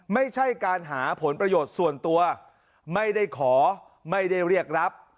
ไม่ใช่การหาผลประโยชน์ส่วนตัวไม่ได้ขอไม่ได้เรียกรับ